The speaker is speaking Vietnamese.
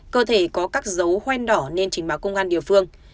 cơ thể có các dấu hoen đỏ nên trình báo công an địa phương